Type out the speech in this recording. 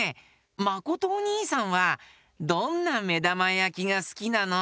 まことおにいさんはどんなめだまやきがすきなの？